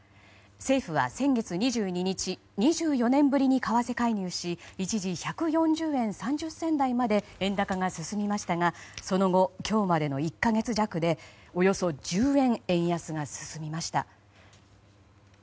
政府は先月２２日２４年ぶりに為替介入し一時１４０円３０銭台まで円高が進みましたがその後、今日までの１か月弱でおよそ１０円円安が進みました。